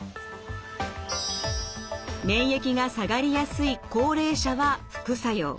免疫が下がりやすい高齢者は副作用。